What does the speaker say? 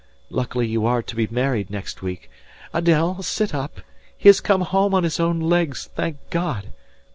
Luckily you are to be married next week.... Adèle, sit up. He has come home on his own legs, thank God....